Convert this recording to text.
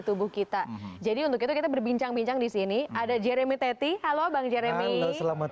tubuh kita jadi untuk itu kita berbincang bincang di sini ada jeremy tety halo bang jeremy selamat